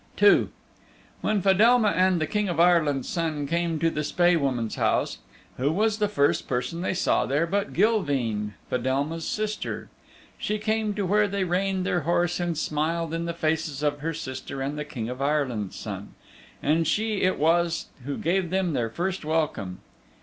II When Fedelma and the King of Ireland's Son came to the Spae Woman's house, who was the first person they saw there but Gilveen, Fedelma's sister! She came to where they reined their horse and smiled in the faces of her sister and the King of Ireland's Son. And she it was who gave them their first welcome.